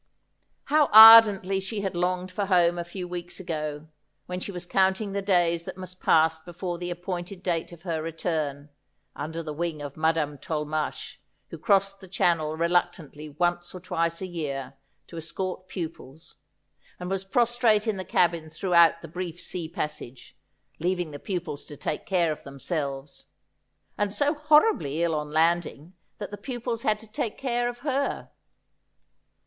How ardently she had longed for home a few weeks ago, when she was counting the days that must pass before the ap pointed date of her return, under the wing of Madame Tol mache, who crossed the Channel reluctantly once or twice a year to escort pupils, and was prostrate in the cabin throughout the brief sea passage, leaving the pupils to take care of them selves, and so horribly ill on landing that the pupils had to take care of her.